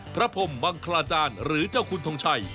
พระพรมมังคลาจารย์หรือเจ้าคุณทงชัย